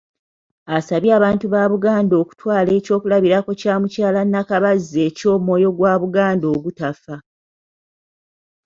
Asabye abantu ba Buganda okutwala eky'okulabirako kya Mukyala Nakabazzi eky'omwoyo gwa Buganda ogutafa.